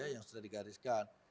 yang sudah digariskan